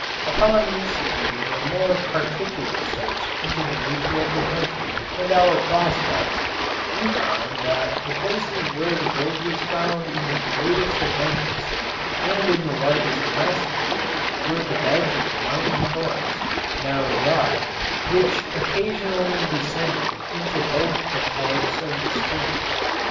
Upon instituting a more particular search into the nature of the country and our prospects, we found that the places where the gold was found in the greatest abundance, and in the largest masses, were the beds of the mountain torrents, now dry, which occasionally descend into both the forks of the stream.